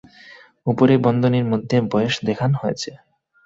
উপরে বন্ধনীর মধ্যে বয়স দেখান হয়েছে।